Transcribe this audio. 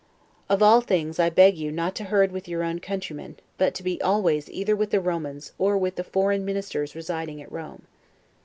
Of all things, I beg of you not to herd with your own countrymen, but to be always either with the Romans, or with the foreign ministers residing at Rome.